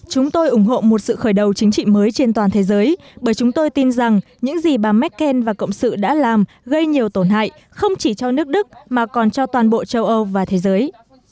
chúng tôi ủng hộ một sự khởi đầu chính trị mới trên toàn thế giới bởi chúng tôi tin rằng những gì bà merkel và cộng sự đã làm gây nhiều tổn hại không chỉ cho nước đức mà còn cho toàn bộ châu âu và thế giới